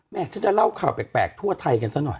ฉันจะเล่าข่าวแปลกทั่วไทยกันซะหน่อย